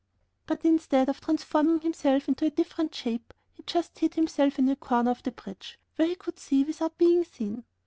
But instead of transforming himself into a different shape, he just hid himself in a corner of the bridge, where he could see without being seen.